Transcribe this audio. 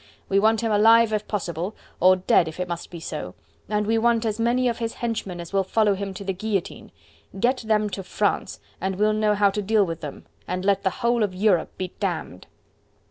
We want him alive if possible, or dead if it must be so, and we want as many of his henchmen as will follow him to the guillotine. Get them to France, and we'll know how to deal with them, and let the whole of Europe be damned."